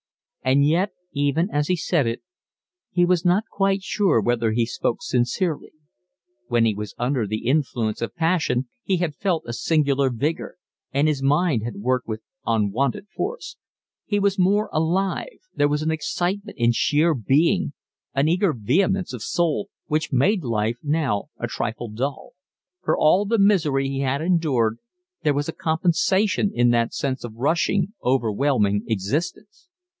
And yet even as he said it he was not quite sure whether he spoke sincerely. When he was under the influence of passion he had felt a singular vigour, and his mind had worked with unwonted force. He was more alive, there was an excitement in sheer being, an eager vehemence of soul, which made life now a trifle dull. For all the misery he had endured there was a compensation in that sense of rushing, overwhelming existence.